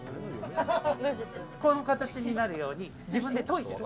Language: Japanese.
この形になるように、自分で研いでいる。